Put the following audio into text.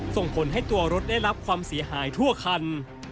ส่งผลให้ตัวรถได้รับความเสียหายทั่วคัน